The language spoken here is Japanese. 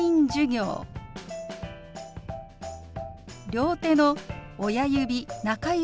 両手の親指中指